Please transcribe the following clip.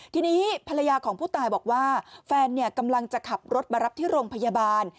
ทีนี้ภรรยาของผู้ตายบอกว่าแฟนกำลังจะขับรถมารับที่โรงพยาบาล